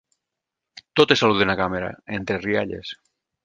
Totes saluden a càmera, entre rialles.